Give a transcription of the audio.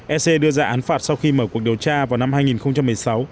ec đưa ra án phạt sau khi mở cuộc điều tra vào năm hai nghìn một mươi sáu